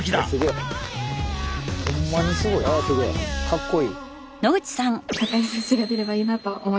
かっこいい。